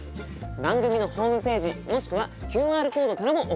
番組のホームページもしくはＱＲコードからも送っていただけます。